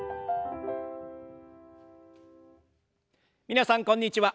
皆さんこんにちは。